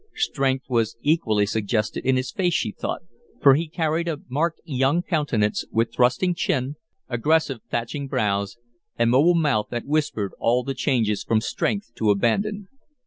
Strength was equally suggested in his face, she thought, for he carried a marked young countenance, with thrusting chin, aggressive thatching brows, and mobile mouth that whispered all the changes from strength to abandon.